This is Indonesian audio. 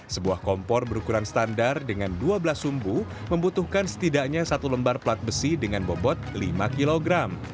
sebuah kompor berukuran standar dengan dua belas sumbu membutuhkan setidaknya satu lembar pelat besi dengan bobot lima kg